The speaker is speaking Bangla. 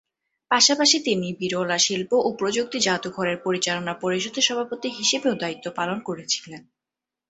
পাশাপাশি তিনি বিড়লা শিল্প ও প্রযুক্তি জাদুঘরের পরিচালনা পরিষদের সভাপতি হিসাবেও দায়িত্ব পালন করেছিলেন।